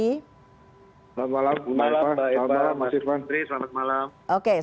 selamat malam selamat malam mas irfan